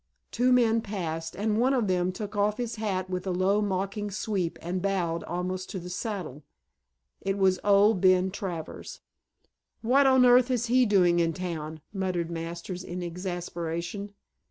Two men passed, and one of them took off his hat with a low mocking sweep and bowed almost to the saddle. It was old Ben Travers. "What on earth is he doing in town?" muttered Masters in exasperation.